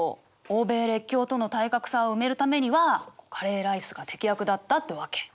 欧米列強との体格差を埋めるためにはカレーライスが適役だったってわけ。